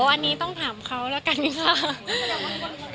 อันนี้ต้องถามเขาแล้วกันค่ะ